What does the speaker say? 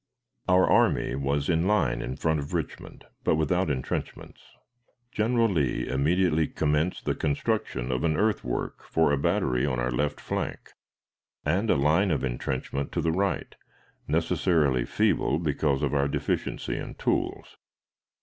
Our army was in line in front of Richmond, but without intrenchments. General Lee immediately commenced the construction of an earthwork for a battery on our left flank, and a line of intrenchment to the right, necessarily feeble because of our deficiency in tools.